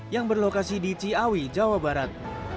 yang berlokasi di ciawi jawa barat